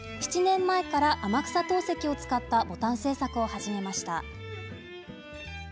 ７年前から天草陶石を使ったボタン制作を始めました。